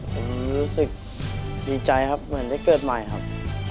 ผมรู้สึกดีใจครับเหมือนได้เกิดใหม่ครับ